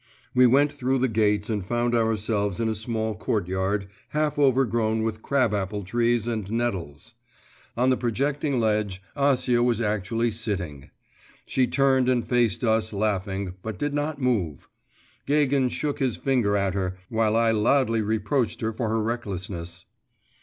We went through the gates and found ourselves in a small courtyard, half overgrown with crab apple trees and nettles. On the projecting ledge, Acia actually was sitting. She turned and faced us, laughing, but did not move. Gagin shook his finger at her, while I loudly reproached her for her recklessness.